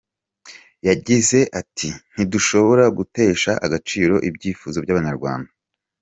Yagize ati “Ntidushobora gutesha agaciro ibyifuzo by’Abanyarwanda.